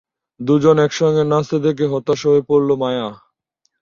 দু’জনে একসঙ্গে নাচতে দেখে হতাশ হয়ে পড়ল মায়া।